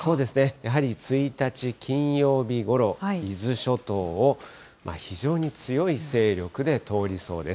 やはり１日金曜日ごろ、伊豆諸島を非常に強い勢力で通りそうです。